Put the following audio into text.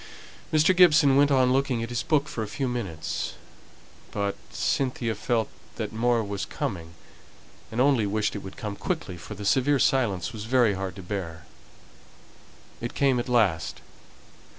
Mr. Gibson went on looking at his book for a few minutes; but Cynthia felt that more was coming, and only wished it would come quickly, for the severe silence was very hard to bear. It came at last.